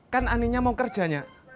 kan aninya mau kerjanya